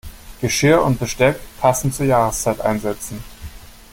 Geschirr und Besteck passend zur Jahreszeit einsetzen.